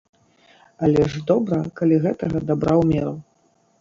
Але ж добра, калі гэтага дабра ў меру.